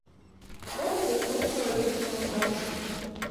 Бора зірнуў чалавеку наўздагон.